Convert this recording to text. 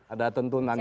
ada tentu nanya